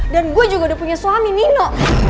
dan gue juga udah punya suami nino